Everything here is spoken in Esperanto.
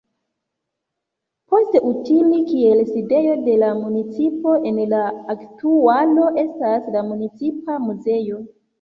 Post utili kiel sidejo de la municipo, en la aktualo estas la municipa muzeo.